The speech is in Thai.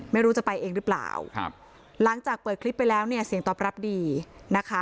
ไม่รู้จะไปเองหรือเปล่าครับหลังจากเปิดคลิปไปแล้วเนี่ยเสียงตอบรับดีนะคะ